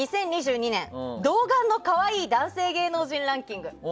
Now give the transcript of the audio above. ２０２２年、童顔の可愛い男性芸能人ランキング。